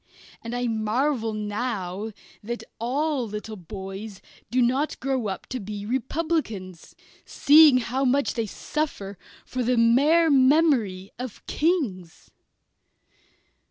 And I marvel now that all little boys do not grow up to be Republicans, seeing how much they suffer for the mere memory of Kings.